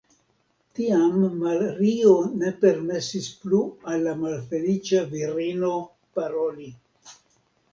Tiam Mario ne permesis plu al la malfeliĉa virino paroli.